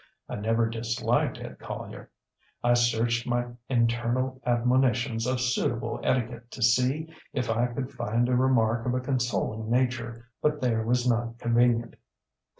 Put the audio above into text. I never disliked Ed Collier. I searched my internal admonitions of suitable etiquette to see if I could find a remark of a consoling nature, but there was none convenient.